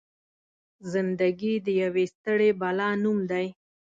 زنده ګي د يوې ستړې بلا نوم دی.